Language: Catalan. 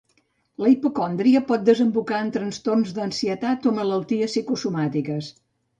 La hipocondria pot desembocar en trastorns d'ansietat o malalties psicosomàtiques.